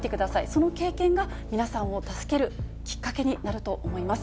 その経験が皆さんを助けるきっかけになると思います。